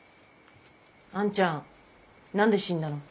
兄ちゃん何で死んだの？